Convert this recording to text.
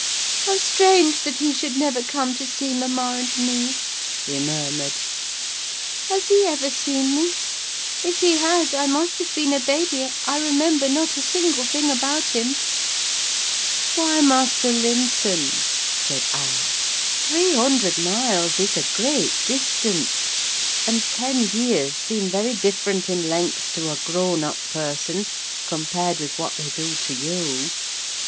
"How strange that he should never come to see mamma and me!" he murmured. "Has he ever seen me? If he has, I must have been a baby. I remember not a single thing about him!" "Why, Master Linton," said I, "three hundred miles is a great distance; and ten years seem very different in length to a grown up person compared with what they do to you.